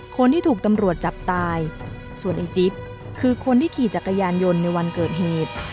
คนที่ถูกตำรวจจับตายส่วนไอ้จิ๊บคือคนที่ขี่จักรยานยนต์ในวันเกิดเหตุ